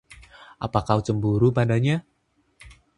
Apa kau cemburu padanya?